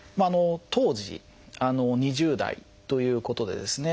当時２０代ということでですね